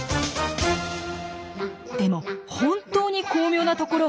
でも本当に巧妙なところはここから。